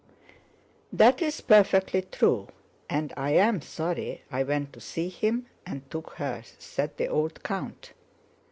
"That is perfectly true. And I am sorry I went to see him and took her," said the old count.